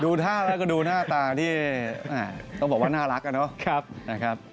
ท่าแล้วก็ดูหน้าตาที่ต้องบอกว่าน่ารักอะเนาะนะครับ